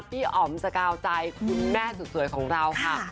อ๋อมสกาวใจคุณแม่สุดสวยของเราค่ะ